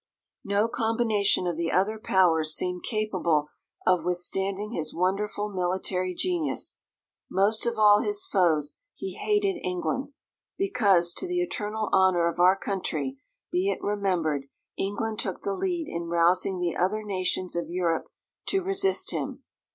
No combination of the other Powers seemed capable of withstanding his wonderful military genius. Most of all his foes, he hated England; because, to the eternal honour of our country, be it remembered, England took the lead in rousing the other nations of Europe to resist him.